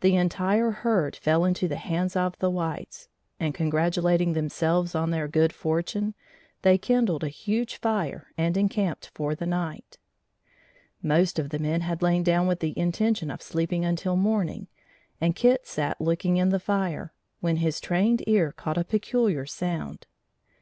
The entire herd fell into the hands of the whites, and, congratulating themselves on their good fortune, they kindled a huge fire and encamped for the night. Most of the men had lain down with the intention of sleeping until morning, and Kit sat looking in the fire, when his trained ear caught a peculiar sound.